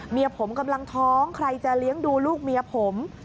เมียผมกำลังท้องใครจะเลี้ยงดูลูกเมียผม